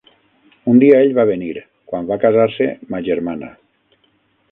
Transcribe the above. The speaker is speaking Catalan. Un dia ell va venir, quan va casar-se ma germana.